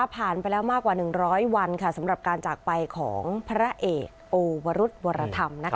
ผ่านไปแล้วมากกว่าหนึ่งร้อยวันค่ะสำหรับการจากไปของพระเอกโอวรุษบรรธรรมนะคะ